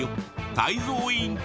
泰造委員長